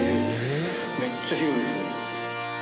めっちゃ広いですね。